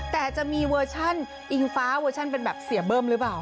แต่จะมีเวอร์ชันอิงฟ้าเวอร์ชันเป็นแบบเสียเบิ้มหรือเปล่า